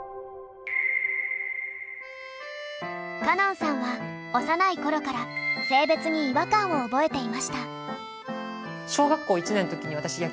歌音さんは幼い頃から性別に違和感を覚えていました。